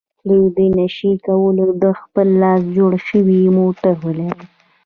دوی نشي کولای د خپل لاس جوړ شوی موټر ولري.